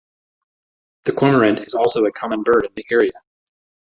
The cormorant is also a common bird in the area.